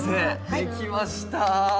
できました。